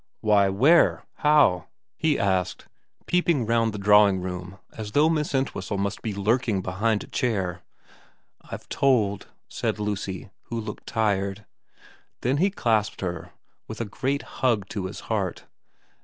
' Why, where ? How ?' he asked, peeping round the drawing room as though Miss Entwhistle must be lurking behind a chair. * I've told,' said Lucy, who looked tired. Then he clasped her with a great hug to his heart.